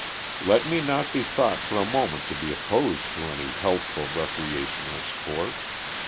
Let me not be thought for a moment to be opposed to any healthful recreation or sport.